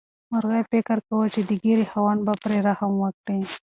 مرغۍ فکر کاوه چې د ږیرې خاوند به پرې رحم وکړي.